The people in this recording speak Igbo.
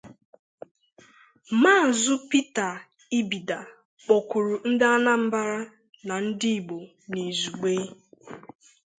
Maazị Pete Ibida kpọkùrù Ndị Anambara na ndị Igbo n'izugbe